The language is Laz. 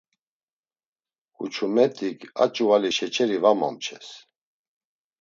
Huçumet̆ik a ç̌uvali şeçeri va momçes.